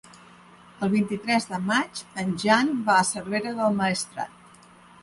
El vint-i-tres de maig en Jan va a Cervera del Maestrat.